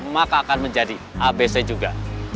maka akan menjadi abc juga